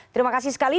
terima kasih sekali